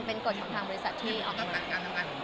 เป็นกฎของบริษัทที่อกมา